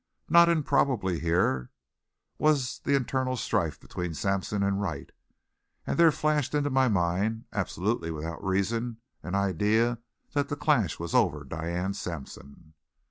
Not improbably here was the internal strife between Sampson and Wright, and there flashed into my mind, absolutely without reason, an idea that the clash was over Diane Sampson.